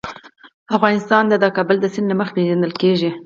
افغانستان د د کابل سیند له مخې پېژندل کېږي.